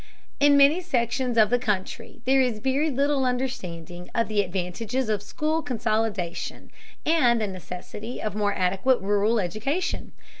In many sections of the country there is very little understanding of the advantages of school consolidation and the necessity of more adequate rural education.